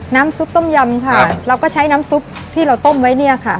น้ำซุปต้มยำค่ะเราก็ใช้น้ำซุปที่เราต้มไว้เนี่ยค่ะ